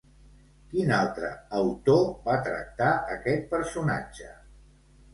Quin altre autor va tractar aquest personatge?